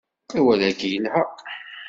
Awal-agi yelha.